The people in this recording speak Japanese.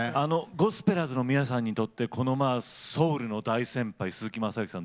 ゴスペラーズの皆さんにとってこのソウルの大先輩鈴木雅之さん